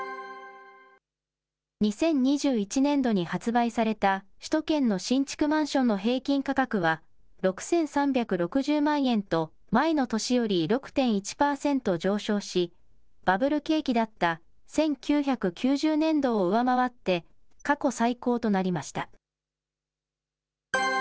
２０２１年度に発売された首都圏の新築マンションの平均価格は、６３６０万円と前の年より６．１％上昇し、バブル景気だった１９９０年度を上回って、過去最高となりました。